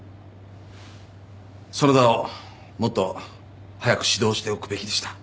園田をもっと早く指導しておくべきでした。